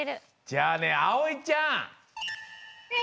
じゃあねあおいちゃん。はい！